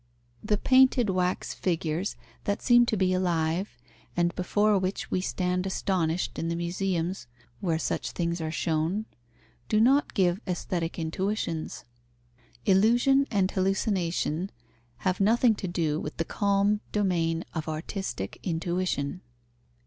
The painted wax figures that seem to be alive, and before which we stand astonished in the museums where such things are shown, do not give aesthetic intuitions. Illusion and hallucination have nothing to do with the calm domain of artistic intuition.